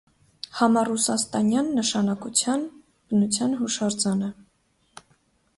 Համառուսաստանյան նշանակության բնության հուշարձան է։